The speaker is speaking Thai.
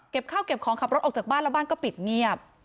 ข้าวเก็บของขับรถออกจากบ้านแล้วบ้านก็ปิดเงียบ